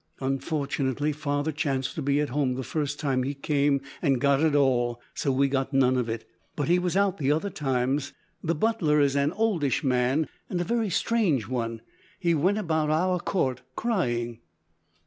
Unfortunately father chanced to be at home the first time he came and got it all, so we got none of it. But he was out the other times. The butler is an oldish man, and a very strange one. He went about our court crying."